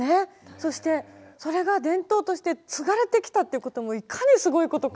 そしてそれが伝統として継がれてきたっていうこともいかにすごいことか。